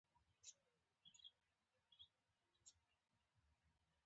د خویندو ورونو ترمنځ اړیکې د مثبتې کورنۍ جوړولو سبب ګرځي.